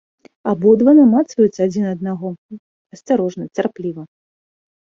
Абодва намацваюць адзін аднаго асцярожна, цярпліва.